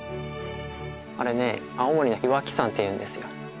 あれね青森の岩木山っていうんですよ。